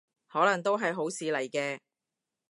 可能都係好事嚟嘅